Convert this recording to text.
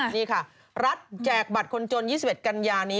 นี่ค่ะรัฐแจกบัตรคนจน๒๑กันยานี้